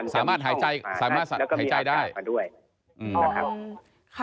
สามารถหายใจได้และก็มีอากาศมาด้วยนะครับ